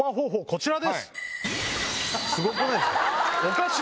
こちらです！